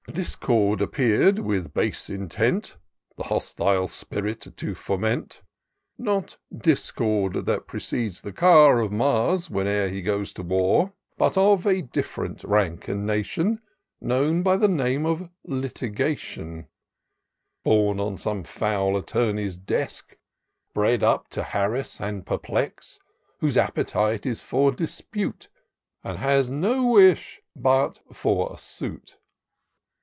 " Discord appear'd, with base intent The hostile spirit to foment : Not Discord that precedes the car Of Mars whene'er he goes to war ; But of a different rank and nation, Known by the name of Litigation ; Born on some foul Attorney's desk ; Bred up to harass and perplex ; Whose appetite is for dispute, And has no wish but for a suit.